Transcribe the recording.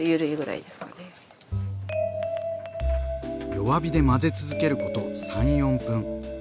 弱火で混ぜ続けること３４分。